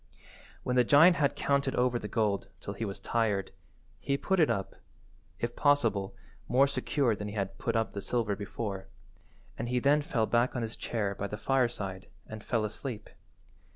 When the giant had counted over the gold till he was tired, he put it up, if possible more secure than he had put up the silver before, and he then fell back on his chair by the fireside and fell asleep.